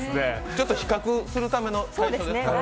ちょっと比較するための。